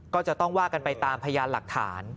ก็จะต้องว่ากันไปตามพยานหลักฐาน